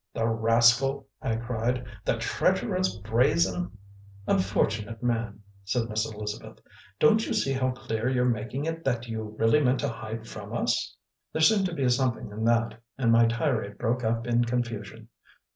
"The rascal!" I cried. "The treacherous, brazen " "Unfortunate man," said Miss Elizabeth, "don't you see how clear you're making it that you really meant to hide from us?" There seemed to be something in that, and my tirade broke up in confusion.